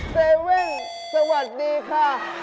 เซเว่นสวัสดีค่ะ